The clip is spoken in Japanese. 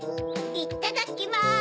いただきます！